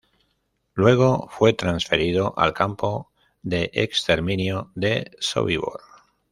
Luego, fue transferido al campo de exterminio de Sobibor.